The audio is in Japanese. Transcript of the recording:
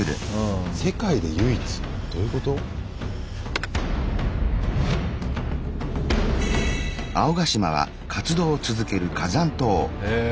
どういうこと？へ！